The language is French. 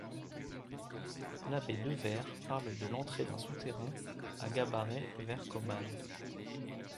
L'abbé Devert parle de l'entrée d'un souterrain à Gabarret vers Caumale.